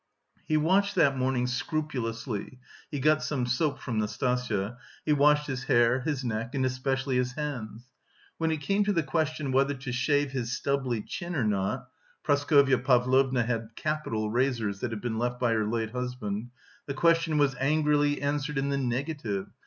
He washed that morning scrupulously he got some soap from Nastasya he washed his hair, his neck and especially his hands. When it came to the question whether to shave his stubbly chin or not (Praskovya Pavlovna had capital razors that had been left by her late husband), the question was angrily answered in the negative.